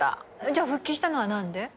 じゃあ復帰したのは何で？